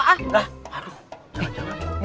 hah aduh jangan jangan